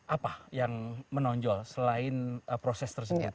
apa yang menonjol selain proses tersebut